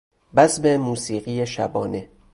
بزم موسیقی شبانه